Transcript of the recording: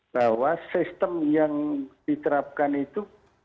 bahwa sistem yang diterapkan itu